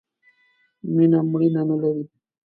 مینه مړینه نه لرئ